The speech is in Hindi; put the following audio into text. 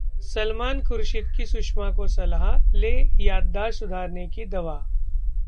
सलमान खुर्शीद की सुषमा को सलाह, लें याददाश्त सुधारने की दवा